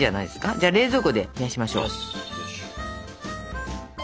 じゃあ冷蔵庫で冷やしましょう。